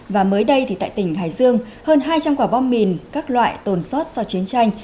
và mới đây thì tại tỉnh hải dương hơn hai trăm linh quả bom mìn các loại tồn sót sau chiến tranh